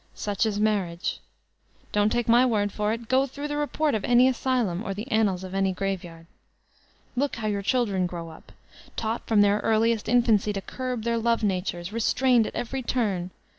Such is marriage. Don't take my word for it ; go through the report of any asylum or the annals of any graveyard Look how your children grow up. Taught from their earliest infancy to curb their love natures— restrained at every turn!